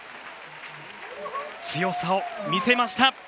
強さを見せました。